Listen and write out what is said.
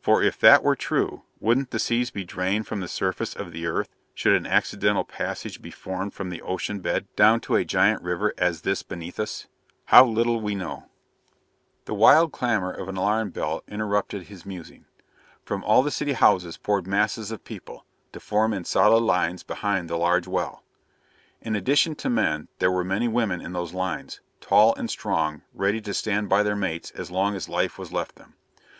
For, if that were true, wouldn't the seas be drained from the surface of the earth should an accidental passage be formed from the ocean bed down to such a giant river as this beneath us? How little we know!" The wild clamor of an alarm bell interrupted his musing. From all the city houses poured masses of people, to form in solid lines behind the large well. In addition to men, there were many women in those lines, tall and strong, ready to stand by their mates as long as life was left them.